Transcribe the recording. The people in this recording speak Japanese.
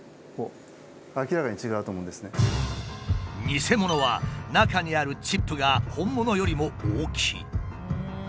ニセモノは中にあるチップが本物よりも大きい。